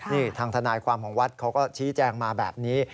นี่ทางทนายความของวัดเขาก็ชี้แจงมาแบบนี้